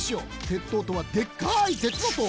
鉄塔とはでっかい鉄の塔！